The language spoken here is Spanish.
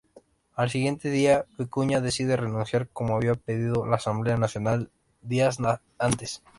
Al siguiente día, Vicuña decide renunciar como había pedido la Asamblea Nacional días antes.